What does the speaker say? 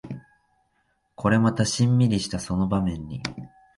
これまたシンミリしたその場面に